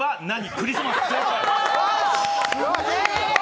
クリスマス、正解！